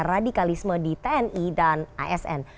radikalisme di tni dan asn